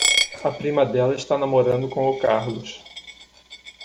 A prima dela está namorando com o Carlos.